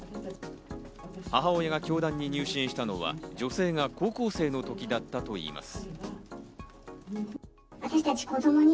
母親が教団に入信したのは女性が高校生の時だったといいます。